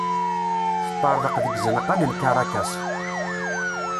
Teṭṭerḍeq deg izenqan n Karakas.